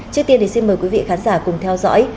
trước tiên thì xin mời quý vị khán giả cùng theo dõi